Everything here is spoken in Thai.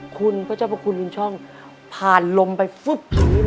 คุณพระเจ้าพระคุณรินช่องผ่านลมไปฟึ๊บอยู่นี่เลย